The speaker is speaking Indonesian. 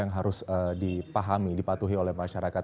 yang harus dipahami dipatuhi oleh masyarakat